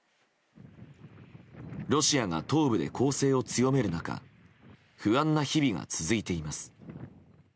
ロシアが東部で攻勢を強める中不安な日々が続いています。